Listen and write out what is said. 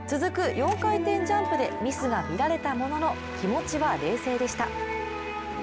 ４回転ジャンプでミスが見られたものの気持ちは冷静でした。